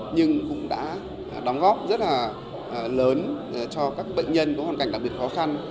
nhưng cũng đã đóng góp rất là lớn cho các bệnh nhân có hoàn cảnh đặc biệt khó khăn